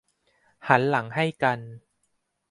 หันหลังให้กัน